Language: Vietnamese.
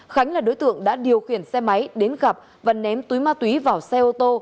khánh là đối tượng đã điều khiển xe máy đến gặp và ném túi ma túy vào xe ô tô